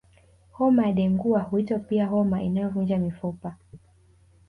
Homa ya dengua huitwa pia homa inayovunja mifupa